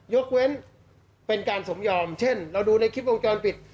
ยกเว้นเป็นการสมยอมเช่นเราดูในคลิปวงจรปิด